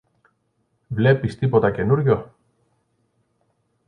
Βλέπεις τίποτα καινούριο;